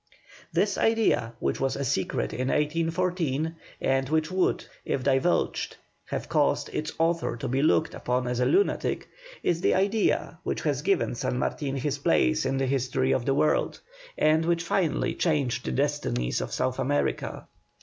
This idea, which was a secret in 1814, and which would, if divulged, have caused its author to be looked upon as a lunatic, is the idea which has given San Martin his place in the history of the world, and which finally changed the destinies of South America.